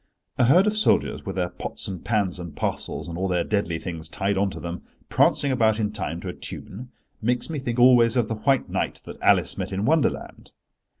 A herd of soldiers with their pots and pans and parcels, and all their deadly things tied on to them, prancing about in time to a tune, makes me think always of the White Knight that Alice met in Wonderland.